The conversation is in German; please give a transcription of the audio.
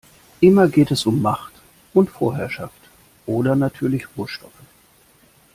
Immer geht es um Macht und Vorherrschaft oder natürlich Rohstoffe.